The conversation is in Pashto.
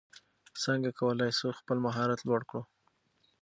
څنګه کولای سو خپل مهارت لوړ کړو؟